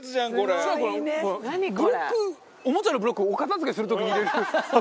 ブロックおもちゃのブロックお片付けする時に入れる箱。